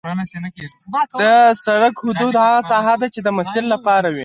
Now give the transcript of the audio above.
د سرک حدود هغه ساحه ده چې د مسیر لپاره وي